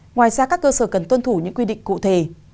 ngoài ra các cơ sở cần tuân thủ những quy định cụ thể